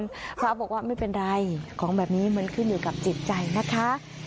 พระบอกว่าไม่เป็นไรของแบบนี้มันขึ้นอยู่กับจิตใจนะคะ